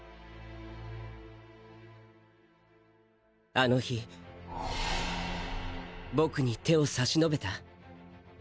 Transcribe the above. あの日僕に手を差し伸べた？